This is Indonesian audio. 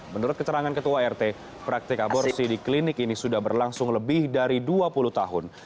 menurut keterangan ketua rt praktik aborsi di klinik ini sudah berlangsung lebih dari dua puluh tahun